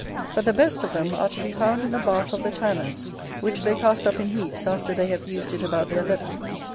But the best of them are to be found in the bark of the tanners, which they cast up in heaps after they have used it about their leather.